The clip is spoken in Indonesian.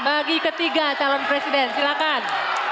bagi ketiga calon presiden silakan